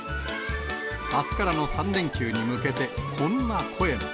あすからの３連休に向けて、こんな声も。